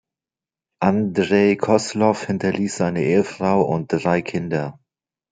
Andrei Koslow hinterließ seine Ehefrau und drei Kinder.